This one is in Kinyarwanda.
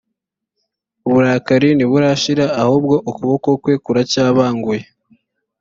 uburakari ntiburashira ahubwo ukuboko kwe kuracyabanguye